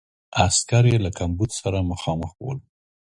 عسکر یې له کمبود سره مخامخ ول.